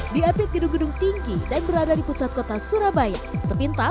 diapit gedung gedung tinggi dan berada di pusat kota surabaya